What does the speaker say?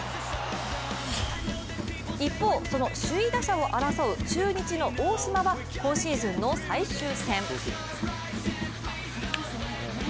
一方、その首位打者を争う中日の大島は今シーズンの最終戦。